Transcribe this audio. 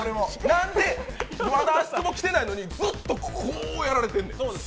なんでまだあそこ来てないのにずっとこうやられてんねん。